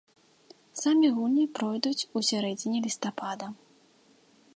Самі гульні пройдуць ў сярэдзіне лістапада.